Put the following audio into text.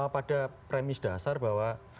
pada premis dasar bahwa